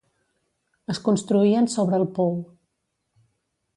Es construïen sobre el pou.